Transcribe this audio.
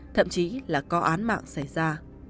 thậm chí là có án mạng xảy ra